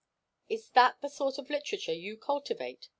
"Is that the sort of literature you cultivate?"